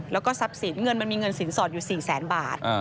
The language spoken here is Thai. แล้วก็ทรัพย์สินเงินมันมีเงินสินสอดอยู่๔แสนบาท